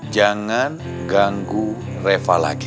jangan ganggu reva lagi